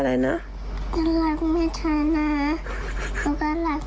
เด็กสามควบ